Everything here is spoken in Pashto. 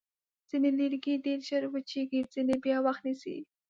ځینې لرګي ډېر ژر وچېږي، ځینې بیا وخت نیسي.